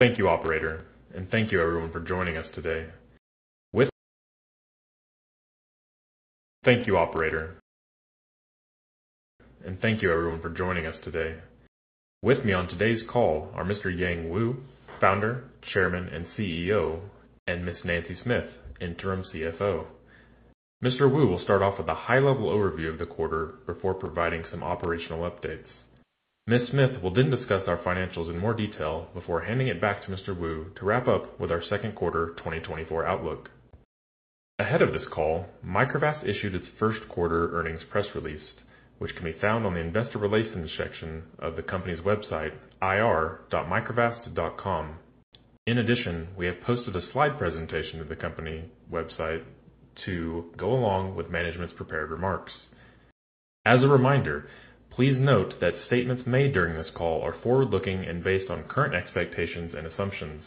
Thank you, operator, and thank you, everyone, for joining us today. With me on today's call are Mr. Yang Wu, founder, chairman, and CEO, and Ms. Nancy Smith, interim CFO. Mr. Wu will start off with a high-level overview of the quarter before providing some operational updates. Ms. Smith will then discuss our financials in more detail before handing it back to Mr. Wu to wrap up with our second quarter 2024 outlook. Ahead of this call, Microvast issued its first quarter earnings press release, which can be found on the Investor Relations section of the company's website, ir.microvast.com. In addition, we have posted a slide presentation to the company website to go along with management's prepared remarks. As a reminder, please note that statements made during this call are forward-looking and based on current expectations and assumptions.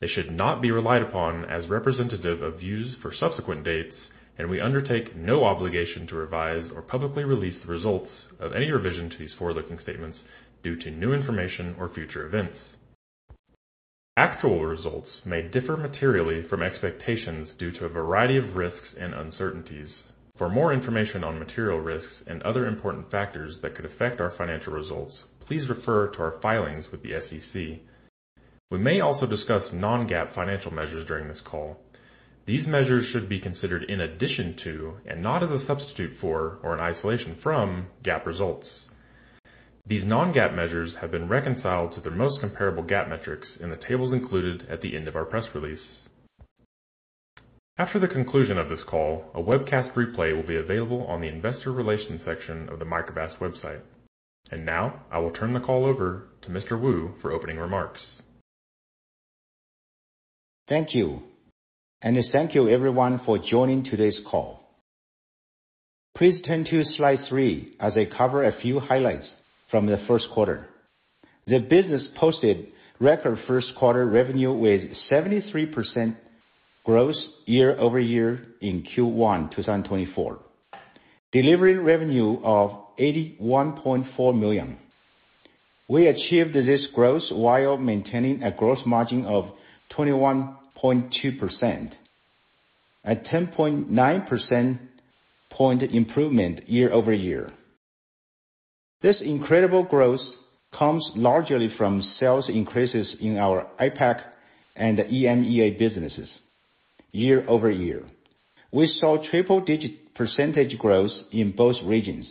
They should not be relied upon as representative of views for subsequent dates, and we undertake no obligation to revise or publicly release the results of any revision to these forward-looking statements due to new information or future events. Actual results may differ materially from expectations due to a variety of risks and uncertainties. For more information on material risks and other important factors that could affect our financial results, please refer to our filings with the SEC. We may also discuss non-GAAP financial measures during this call. These measures should be considered in addition to and not as a substitute for or an isolation from GAAP results. These non-GAAP measures have been reconciled to their most comparable GAAP metrics in the tables included at the end of our press release. After the conclusion of this call, a webcast replay will be available on the Investor Relations section of the Microvast website. Now I will turn the call over to Mr. Wu for opening remarks. Thank you, and thank you, everyone, for joining today's call. Please turn to slide three as I cover a few highlights from the first quarter. The business posted record first-quarter revenue with 73% growth year-over-year in Q1 2024, delivering revenue of $81.4 million. We achieved this growth while maintaining a gross margin of 21.2%, a 10.9% point improvement year-over-year. This incredible growth comes largely from sales increases in our APAC and EMEA businesses year-over-year. We saw triple-digit percentage growth in both regions,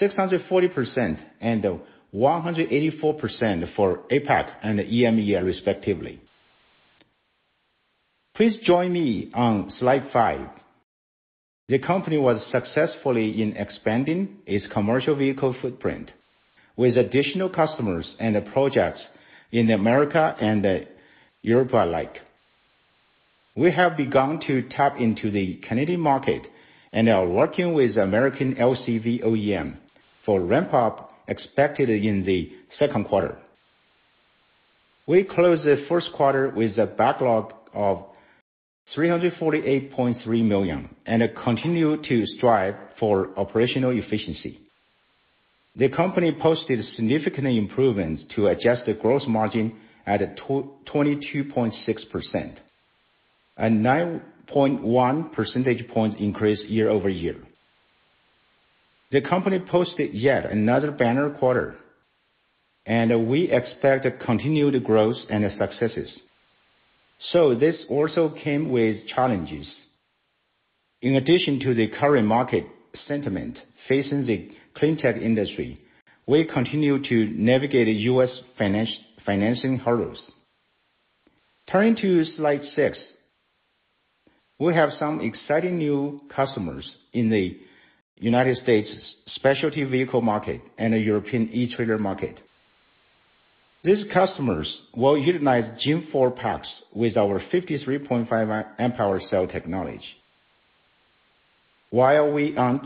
640% and 184% for APAC and EMEA, respectively. Please join me on slide five. The company was successful in expanding its commercial vehicle footprint with additional customers and projects in America and Europe alike. We have begun to tap into the Canadian market and are working with American LCV OEM for ramp-up expected in the second quarter. We closed the first quarter with a backlog of $348.3 million and continue to strive for operational efficiency. The company posted significant improvements to adjust the gross margin at 22.6%, a 9.1 percentage point increase year-over-year. The company posted yet another banner quarter, and we expect continued growth and successes. So this also came with challenges. In addition to the current market sentiment facing the cleantech industry, we continue to navigate U.S. financing hurdles. Turning to slide six, we have some exciting new customers in the United States' specialty vehicle market and the European e-trailer market. These customers will utilize Gen 4 packs with our 53.5 amp-hour cell technology, while we aren't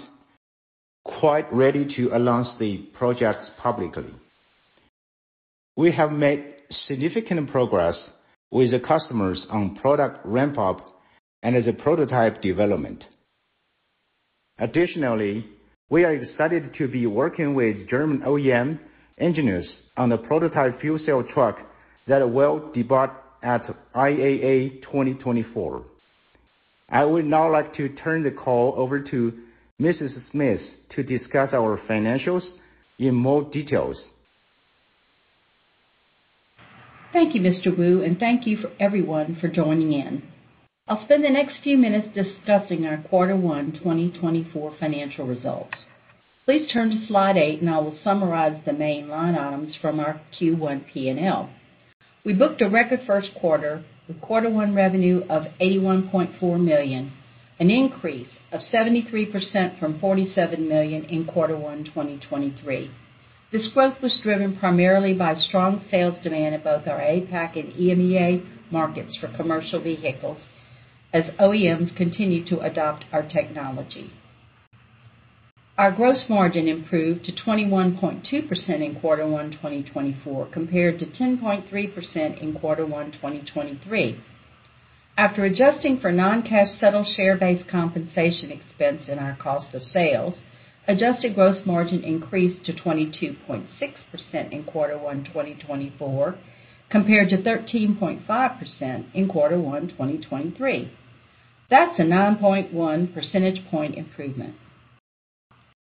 quite ready to announce the projects publicly. We have made significant progress with the customers on product ramp-up and the prototype development. Additionally, we are excited to be working with German OEM engineers on the prototype fuel cell truck that will depart at IAA 2024. I would now like to turn the call over to Mrs. Smith to discuss our financials in more details. Thank you, Mr. Wu, and thank you for everyone for joining in. I'll spend the next few minutes discussing our Q1 2024 financial results. Please turn to slide eight, and I will summarize the main line items from our Q1 P&L. We booked a record first quarter with Q1 revenue of $81.4 million, an increase of 73% from $47 million in Q1 2023. This growth was driven primarily by strong sales demand in both our APAC and EMEA markets for commercial vehicles as OEMs continue to adopt our technology. Our gross margin improved to 21.2% in Q1 2024 compared to 10.3% in Q1 2023. After adjusting for non-cash settled share-based compensation expense in our cost of sales, adjusted gross margin increased to 22.6% in Q1 2024 compared to 13.5% in Q1 2023. That's a 9.1 percentage point improvement.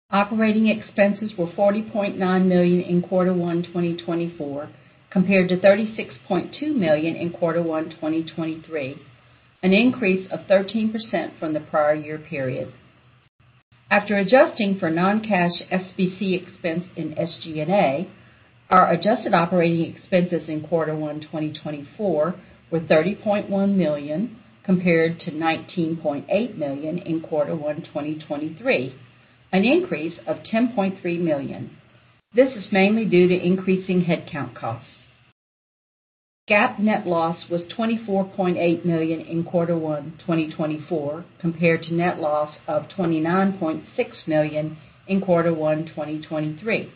Operating expenses were $40.9 million in Q1 2024 compared to $36.2 million in Q1 2023, an increase of 13% from the prior year period. After adjusting for non-cash SBC expense in SG&A, our adjusted operating expenses in Q1 2024 were $30.1 million compared to $19.8 million in Q1 2023, an increase of $10.3 million. This is mainly due to increasing headcount costs. GAAP net loss was $24.8 million in Q1 2024 compared to net loss of $29.6 million in Q1 2023.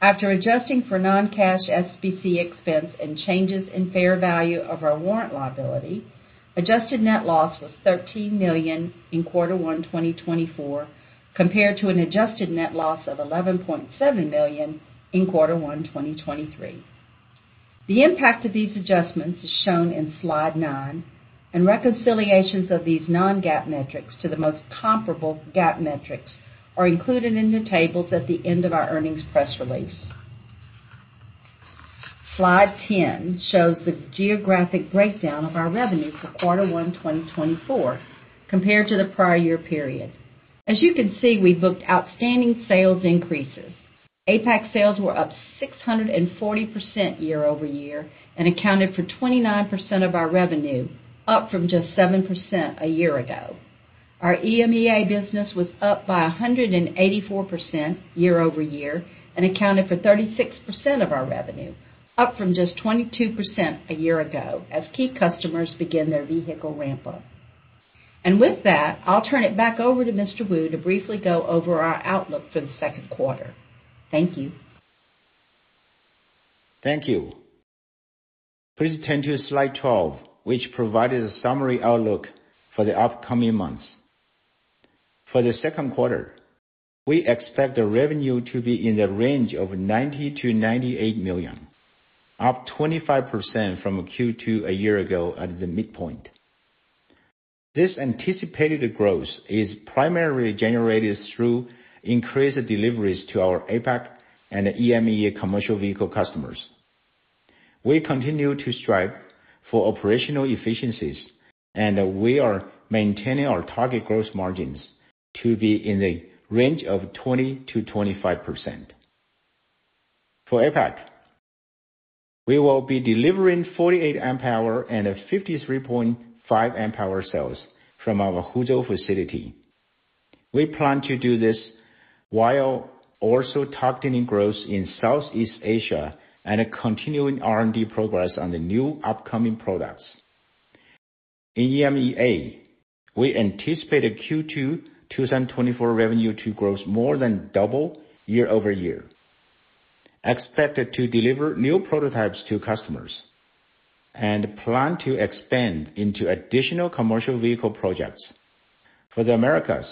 After adjusting for non-cash SBC expense and changes in fair value of our warrant liability, adjusted net loss was $13 million in Q1 2024 compared to an adjusted net loss of $11.7 million in Q1 2023. The impact of these adjustments is shown in slide nine, and reconciliations of these Non-GAAP metrics to the most comparable GAAP metrics are included in the tables at the end of our earnings press release. Slide 10 shows the geographic breakdown of our revenue for Q1 2024 compared to the prior year period. As you can see, we booked outstanding sales increases. APAC sales were up 640% year-over-year and accounted for 29% of our revenue, up from just 7% a year ago. Our EMEA business was up by 184% year-over-year and accounted for 36% of our revenue, up from just 22% a year ago as key customers began their vehicle ramp-up. And with that, I'll turn it back over to Mr. Wu to briefly go over our outlook for the second quarter. Thank you. Thank you. Please turn to slide 12, which provides a summary outlook for the upcoming months. For the second quarter, we expect the revenue to be in the range of $90 million-$98 million, up 25% from Q2 a year ago at the midpoint. This anticipated growth is primarily generated through increased deliveries to our APAC and EMEA commercial vehicle customers. We continue to strive for operational efficiencies, and we are maintaining our target gross margins to be in the range of 20%-25%. For APAC, we will be delivering 48 amp-hour and 53.5 amp-hour cells from our Huzhou facility. We plan to do this while also tightening growth in Southeast Asia and continuing R&D progress on the new upcoming products. In EMEA, we anticipate Q2 2024 revenue to grow more than double year-over-year. Expected to deliver new prototypes to customers and plan to expand into additional commercial vehicle projects. For the Americas,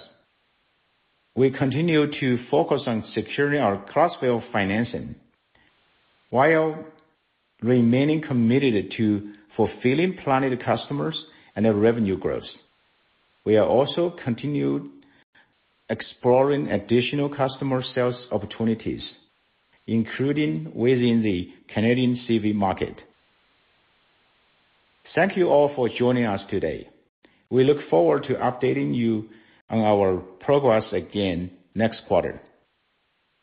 we continue to focus on securing our cross-sale financing while remaining committed to fulfilling planned customers and revenue growth. We are also continuing exploring additional customer sales opportunities, including within the Canadian CV market. Thank you all for joining us today. We look forward to updating you on our progress again next quarter.